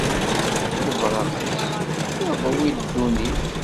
Lebraq-is iḍwi ddunit.